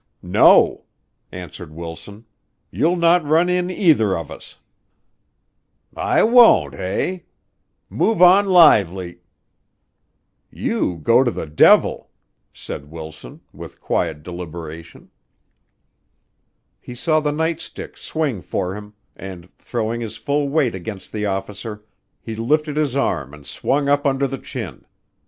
"No," answered Wilson, "you'll not run in either of us." "I won't, eh? Move on lively " "You go to the devil," said Wilson, with quiet deliberation. He saw the night stick swing for him, and, throwing his full weight against the officer, he lifted his arm and swung up under the chin.